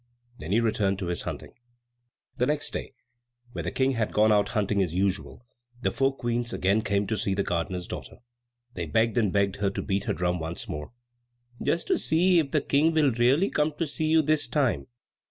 Then he returned to his hunting. The next day, when the King had gone out hunting as usual, the four Queens again came to see the gardener's daughter. They begged and begged her to beat her drum once more, "just to see if the King will really come to see you this time."